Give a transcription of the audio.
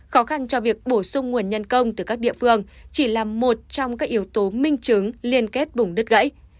khó khăn cho việc bổ sung nguồn nhân công từ các địa phương chỉ là một trong các yếu tố minh chứng liên kết vùng đất gãy